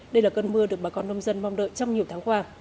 đây là cơn mưa được bà con nông dân mong đợi trong nhiều tháng qua